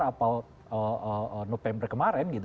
atau november kemarin